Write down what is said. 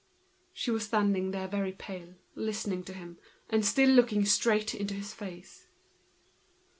She was standing up, very pale, listening to him, still looking straight into his face.